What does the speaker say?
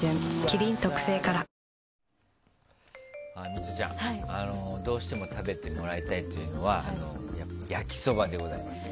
ミトちゃん、どうしても食べてもらいたいというのは焼きそばでございます。